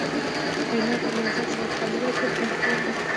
مېلمه ته له عزت سره کالي ورکړه که اړتیا وي.